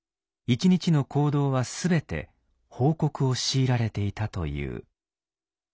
一日の行動は全て報告を強いられていたという。